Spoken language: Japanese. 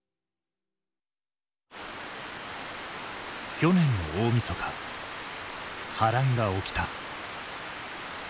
去年の大みそか波乱が起きた。